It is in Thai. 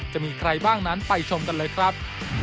จะมีใครบ้างนั้นไปชมกันเลยครับ